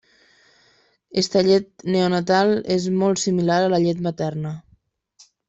Aquesta llet neonatal és molt similar a la llet materna.